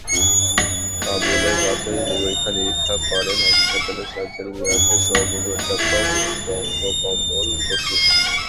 আবুলের প্রাথমিক পরীক্ষা-নিরীক্ষা করেন হাসপাতালের সার্জারি বিভাগের সহযোগী অধ্যাপক বঙ্গ কমল বসু।